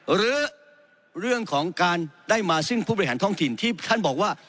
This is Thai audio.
หรือเรื่องของการได้มาซึ่งผู้บริหารท้องถิ่นที่ท่านบอกว่า